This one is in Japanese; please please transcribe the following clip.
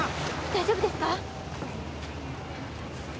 大丈夫ですか？